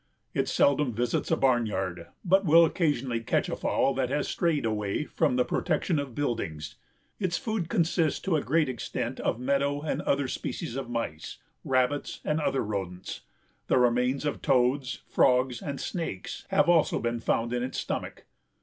It seldom visits a barnyard, but will occasionally catch a fowl that has strayed away from the protection of buildings. Its food consists to a great extent of meadow and other species of mice, rabbits and other rodents. The remains of toads, frogs and snakes have also been found in its stomach.